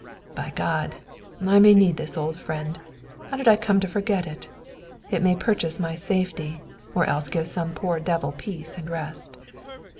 "By God! I may need this old friend. How did I come to forget it? It may purchase my safety, or else give some poor devil peace and rest."